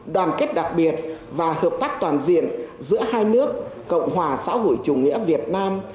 đoàn kết đặc biệt và hợp tác toàn diện giữa hai nước cộng hòa xã hội chủ nghĩa việt nam